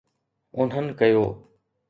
انهن ڪيو